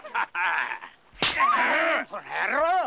この野郎！